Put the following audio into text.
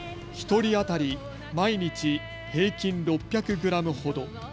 １人当たり毎日平均６００グラムほど。